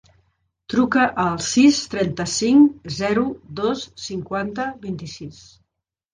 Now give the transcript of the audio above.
Truca al sis, trenta-cinc, zero, dos, cinquanta, vint-i-sis.